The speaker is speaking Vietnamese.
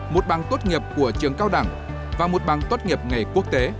một bằng tốt nghiệp của trường cao đẳng và một bằng tốt nghiệp nghề quốc tế